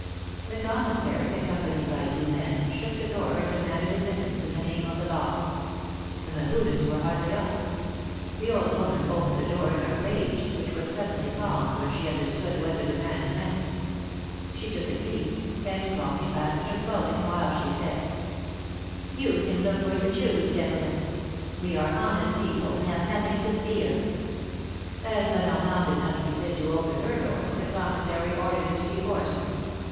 The Commissary, accompanied by two men, shook the door and demanded admittance in the name of the Law. The Mehudens were hardly up. The old woman opened the door in a rage, which was suddenly calmed when she understood what the demand meant. She took a seat, and calmly fastened her clothing, while she said : You can look where you choose, gentlemen ; we are honest people, and have nothing to fear !" As La Normande did not see fit to open her door, the Commissary ordered it to be forced.